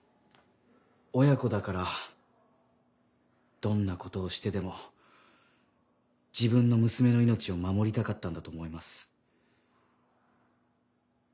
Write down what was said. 親子だからどんなことをしてでも自分の娘の命を守りたかったんだと思います。